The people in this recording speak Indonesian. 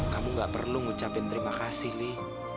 kamu gak perlu ngucapin terima kasih nih